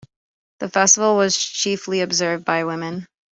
The festival was chiefly observed by women.